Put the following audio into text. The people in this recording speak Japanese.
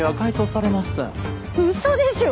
嘘でしょ！？